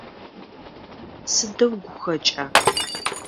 Сыдэу гухэкӀа!